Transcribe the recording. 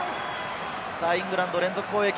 イングランド連続攻撃。